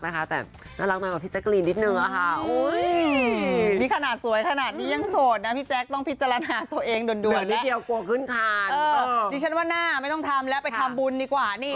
ดิฉันว่าน่าไม่ต้องทำแล้วไปทำบุญดีกว่า